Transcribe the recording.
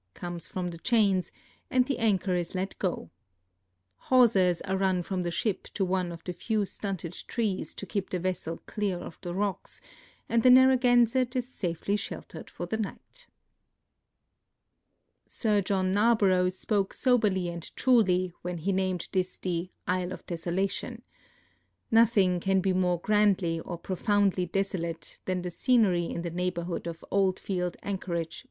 comes from the chains, and the anchor is let go. Hawsers are run from the ship to one of the few stunted trees to keep the vessel clear of the rocks, and the Narragansett is safely sheltered for the night. Sir John Narborough spoke soberl}^ and truly when he named this the " Isle of Desolation." Nothing can be more grandl^^ or profoundly desolate than the scenery in the neighborhood of Oldfield anchorage.